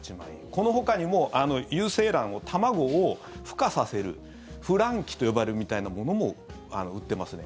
このほかにも有精卵を、卵を孵化させるふ卵器と呼ばれるみたいなものも売ってますね。